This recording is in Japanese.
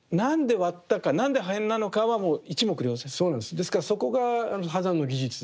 ですからそこが波山の技術で。